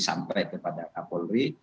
sampai kepada kapolri